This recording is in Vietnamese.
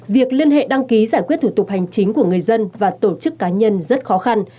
việc liên hệ đăng ký giải quyết thủ tục hành chính của người dân và tổ chức cá nhân rất khó khăn